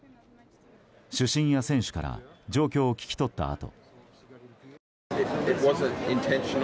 主審や選手から状況を聞き取ったあと。